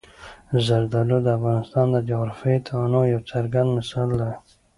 زردالو د افغانستان د جغرافیوي تنوع یو څرګند مثال دی.